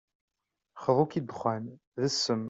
Xḍu-k i ddexxan, d ssem.